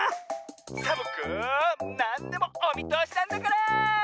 サボ子なんでもおみとおしなんだから！